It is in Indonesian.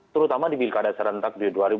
terutama di pilkada serentak di dua ribu dua puluh